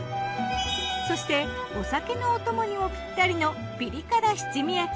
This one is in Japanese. そしてお酒のお供にもピッタリのピリ辛七味焼き